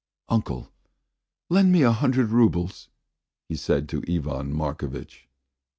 "Uncle, lend me a hundred roubles," he said to Ivan Markovitch.